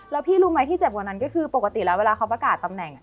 แล้วพี่รู้ไหมที่เจ็บกว่านั้นก็คือปกติแล้วเวลาเขาประกาศตำแหน่ง